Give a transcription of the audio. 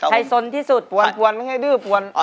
อ๋อใครสนที่สุดปวนมันไงดื้อปวน